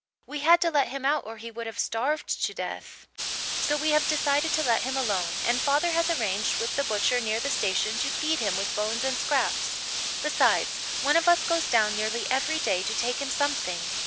We had to let him out or he would have starved to death. "So we have decided to let him alone and father has arranged with the butcher near the station to feed him with bones and scraps. Besides, one of us goes down nearly every day to take him something.